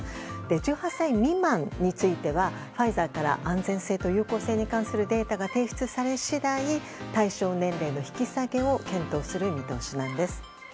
１８歳未満についてはファイザーから安全性と有効性に関するデータが提出され次第対象年齢の引き下げを検討する見通しなんです。